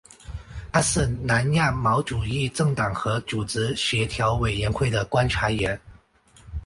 它是南亚毛主义政党和组织协调委员会的观察员。